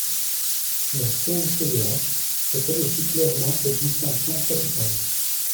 La CNCDH fait elle aussi clairement cette distinction capitale.